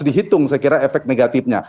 dihitung saya kira efek negatifnya